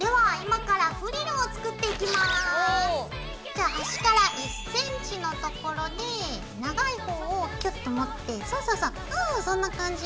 じゃあ端から１ｃｍのところで長い方をキュッと持ってそうそうそうそうそんな感じ。